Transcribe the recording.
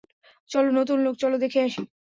চল, নতুন লোক, চল দেখে আসি।